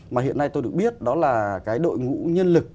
mà hiện nay tôi được biết đó là cái đội ngũ nhân lực